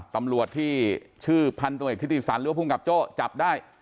ตำรวจที่ชื่อพันธุเอกธิติสันหรือว่าภูมิกับโจ้จับได้